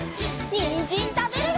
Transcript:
にんじんたべるよ！